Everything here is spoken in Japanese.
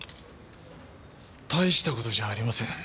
大した事じゃありません。